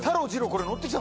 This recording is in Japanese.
これ乗ってきた？